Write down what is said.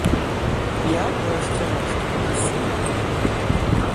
Я, у рэшце рэшт, прафесійны артыст.